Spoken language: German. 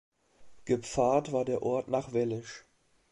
Gepfarrt war der Ort nach Welisch.